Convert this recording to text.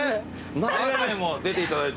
前回も出ていただいた。